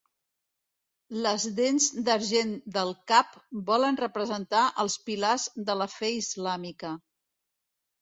Les dents d'argent del cap volen representar els Pilars de la fe islàmica.